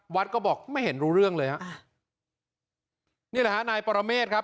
วัดก็บอกไม่เห็นรู้เรื่องเลยฮะนี่แหละฮะนายปรเมฆครับ